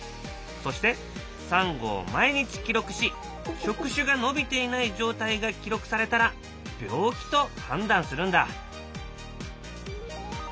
そしてサンゴを毎日記録し触手が伸びていない状態が記録されたら病気と判断するんだ。